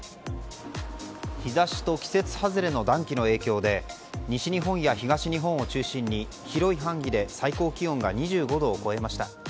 日差しと季節外れの暖気の影響で西日本や東日本を中心に広い範囲で最高気温が２５度を超えました。